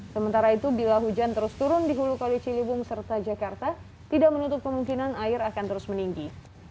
sementara itu bila hujan terus turun di hulu kali ciliwung serta jakarta tidak menutup kemungkinan air akan terus meninggi